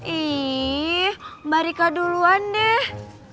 ih mba rika duluan deh